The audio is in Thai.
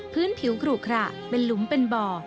พื้นผิวขลุขระเป็นหลุมเป็นบ่อ